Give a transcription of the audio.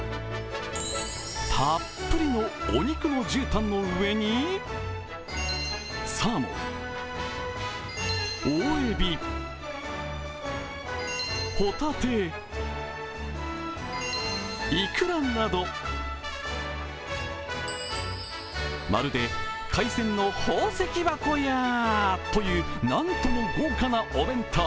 たっぷりのお肉のじゅうたんの上にサーモン、大えび、ほたて、いくらなどまるで海鮮丼の宝石箱やという、なんとも豪華なお弁当。